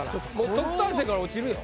特待生から落ちるよ。